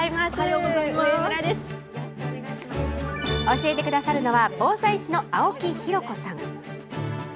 教えてくださるのは防災士の青木紘子さん。